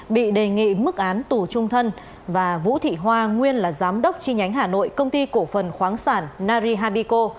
bị đề nghị mức án tù trung thân và vũ thị hoa nguyên là giám đốc chi nhánh hà nội công ty cổ phần khoáng sản nari habico